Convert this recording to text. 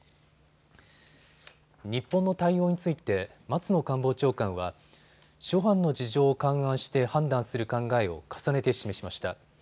日本の対応について松野官房長官は諸般の事情を勘案して判断する考えを重ねて示しました。